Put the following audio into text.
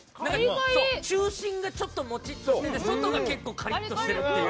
中心がちょっとモチッとしてて外がカリッとしているという。